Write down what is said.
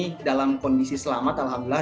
kami berada di kondisi selamat alhamdulillah